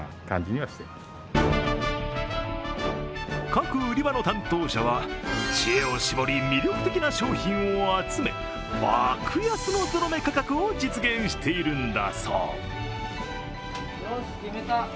各売り場の担当者は知恵を絞り、魅力的な商品を集め爆安のゾロ目価格を実現しているんだそう。